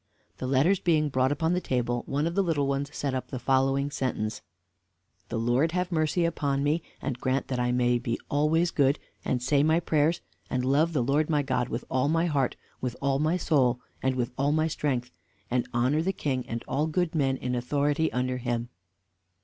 The letters being brought upon the table, one of the little ones set up the following sentence: "The Lord have mercy upon me, and grant that I may be always good, and say my prayers, and love the Lord my God with all my heart, with all my soul, and with all my strength; and honor the King and all good men in authority under him."